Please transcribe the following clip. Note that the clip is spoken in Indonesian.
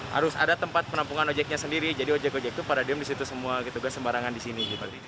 harus ada tempat penampungan ojeknya sendiri jadi ojek ojek itu pada diem di situ semua sembarangan di sini